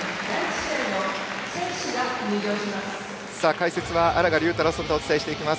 解説は荒賀龍太郎さんとお伝えしていきます。